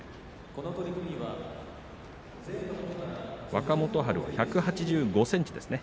若元春は１８５ｃｍですね。